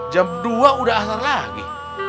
jam dua udah asal lagi